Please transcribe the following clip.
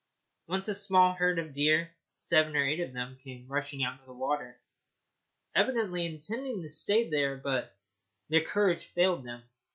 Once a small herd of deer, seven or eight of them, came rushing into the water, evidently intending to stay there, but their courage failed them.